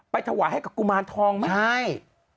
ไปถวายให้กับกุมารทองไหม